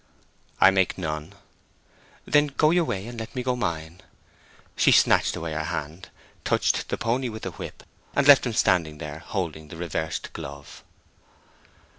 "I make none." "Then go your way, and let me go mine." She snatched away her hand, touched the pony with the whip, and left him standing there, holding the reversed glove.